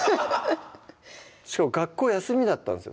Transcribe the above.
学校休みだったんですよ